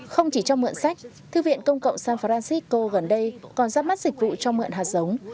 không chỉ cho mượn sách thư viện công cộng san francisco gần đây còn ra mắt dịch vụ cho mượn hạt giống